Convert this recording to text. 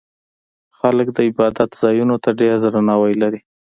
خلک د عبادت ځایونو ته ډېر درناوی لري.